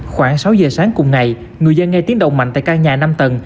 khoảng sáu giờ sáng cùng ngày người dân nghe tiếng động mạnh tại căn nhà năm tầng